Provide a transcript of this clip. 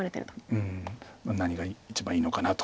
うん何が一番いいのかなと。